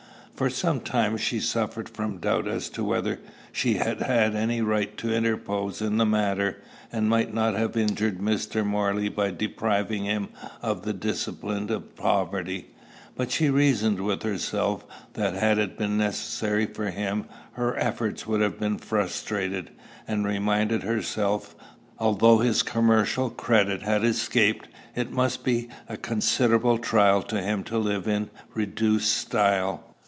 For some time she suffered from doubt as to whether she had had any right to interpose in the matter, and might not have injured Mr. Morley by depriving him of the discipline of poverty; but she reasoned with herself, that, had it been necessary for him, her efforts would have been frustrated; and reminded herself, that, although his commercial credit had escaped, it must still be a considerable trial to him to live in reduced style.